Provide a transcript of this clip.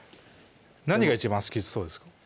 何が一番好きそうですか？